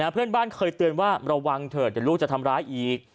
เพื่อนบ้านเคยเตือนว่าระวังเถอะเดี๋ยวลูกจะทำร้ายอีก